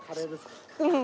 うん。